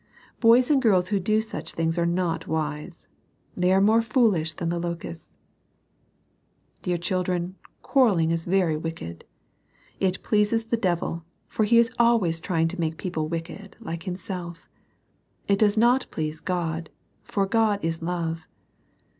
Boys and girls who do such things are not wise. They are more foolish than the locusts. Dear children, quarrelling is very wicked. It pleases the devil, for he is always trying to make people wicked, like himself. It does not please God, for God is love.